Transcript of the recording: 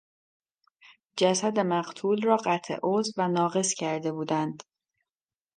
جسد مقتول را قطع عضو و ناقص کرده بودند.